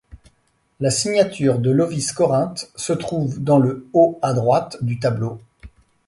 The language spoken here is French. La signature de Lovis Corinth se trouve dans le haut à droite du tableau.